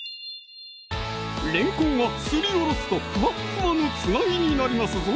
れんこんはすりおろすとフワッフワのつなぎになりますぞ